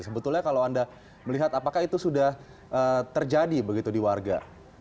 sebetulnya kalau anda melihat apakah itu sudah terjadi begitu di warga